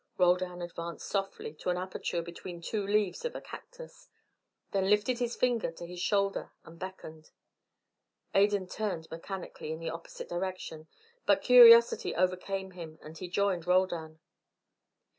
Roldan advanced softly to an aperture between two leaves of a cactus, then lifted his finger to his shoulder and beckoned. Adan turned mechanically in the opposite direction; but curiosity overcame him, and he joined Roldan.